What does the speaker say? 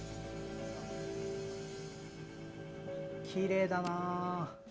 きれいだな。